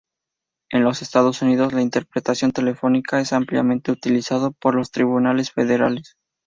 En los Estados Unidos la interpretación telefónica es ampliamente utilizada por los tribunales federales.